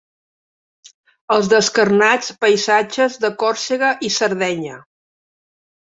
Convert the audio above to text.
Els descarnats paisatges de Còrsega i Sardenya.